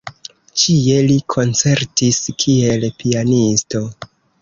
Ĉie li koncertis kiel pianisto.